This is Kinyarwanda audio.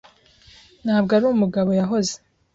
ntabwo ari umugabo yahoze.